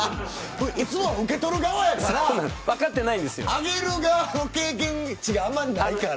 いつもは受け取る側やからあげる側の経験値があんまりないから。